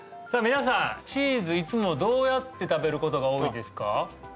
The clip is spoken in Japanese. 皆さんチーズいつもどうやって食べることが多いですか？